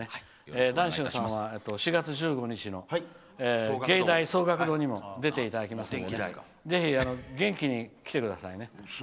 談春さんは４月１５日の藝大奏楽堂にも出ていただきますのでぜひ、元気に来てくださいね。